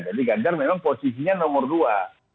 jadi ganjar memang posisinya nomor dua